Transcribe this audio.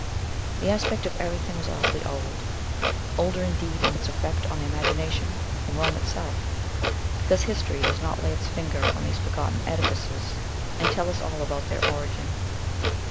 The aspect of everything was awfully old; older, indeed, in its effect on the imagination than Rome itself, because history does not lay its finger on these forgotten edifices and tell us all about their origin.